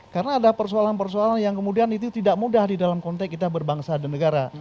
karena ada persoalan persoalan yang kemudian itu tidak mudah di dalam konteks kita berbangsa dan negara